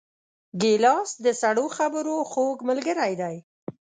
ګیلاس د سړو خبرو خوږ ملګری دی.